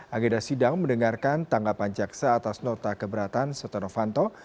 ageda sidang mendengarkan tanggapan jaksa atas nota keberatan seteo novanto